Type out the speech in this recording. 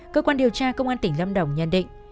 cơ quan điều tra công an tỉnh lâm đồng nhận định